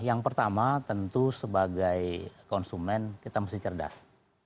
yang pertama tentu sebagai konsumen kita mesti cerdas